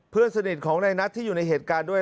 เพื่อนสนิทของในนัทที่อยู่ในเหตุการณ์ด้วย